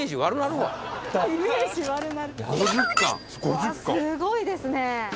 うわすごいですね。